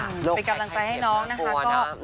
เป็นกำลังใจให้น้องนะคะ